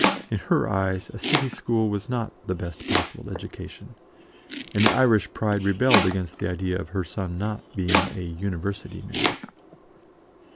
In her eyes, a city school was not "the best possible education," and the Irish pride rebelled against the idea of her son not being "a University man."